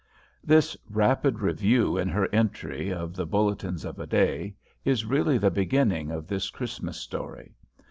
This rapid review in her entry, of the bulletins of a day, is really the beginning of this Christmas story.